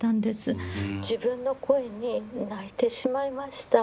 自分の声に泣いてしまいました。